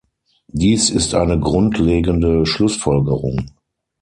Dies ist eine grundlegende Schlussfolgerung.